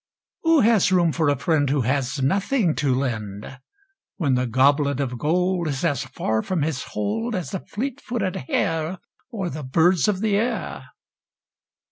Who has room for a friend Who has nothing to lend, When the goblet of gold Is as far from his hold As the fleet footed hare, Or the birds of the air.